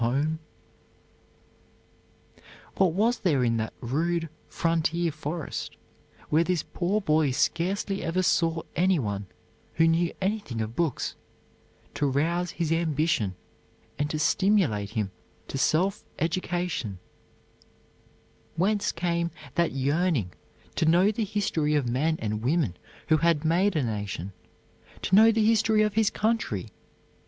[Illustration: House in which Abraham Lincoln was born] What was there in that rude frontier forest, where this poor boy scarcely ever saw any one who knew anything of books, to rouse his ambition and to stimulate him to self education? Whence came that yearning to know the history of men and women who had made a nation; to know the history of his country?